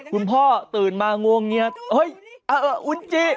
คุณพ่อตื่นมางวงเงียดฮึเฮ้ยอ่ะอ่ะอูนจิ